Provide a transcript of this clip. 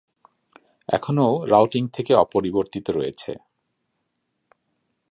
এখনও রাউটিং থেকে অপরিবর্তিত রয়েছে।